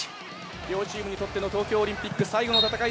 両チームにとっての東京オリンピック最後の戦い